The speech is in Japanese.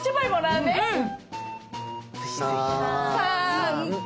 うん。